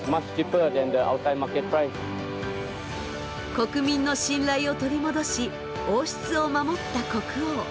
国民の信頼を取り戻し王室を守った国王。